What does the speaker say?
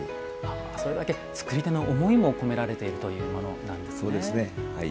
それだけ作り手の思いも込められているということなんですね。